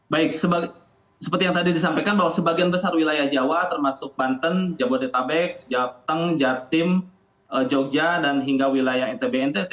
baik seperti yang tadi disampaikan bahwa sebagian besar wilayah jawa termasuk banten jabodetabek jateng jatim jogja dan hingga wilayah ntb ntt